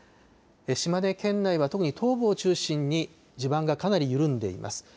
島根県内は特に東部を中心に地盤がかなり緩んでいます。